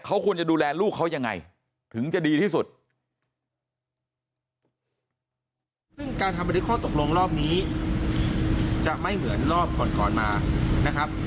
เรื่องการทำบันทึกข้อตกลงรอบนี้จะไม่เหมือนรอบก่อนมานะครับ